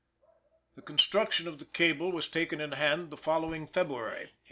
The construction of the cable was taken in hand the following February (1857).